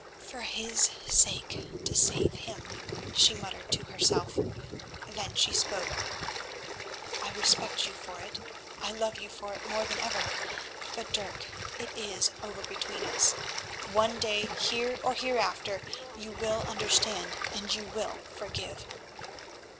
"For his sake—to save him," she muttered to herself—then she spoke. "I respect you for it, I love you for it more than ever; but, Dirk, it is over between us. One day, here or hereafter, you will understand and you will forgive."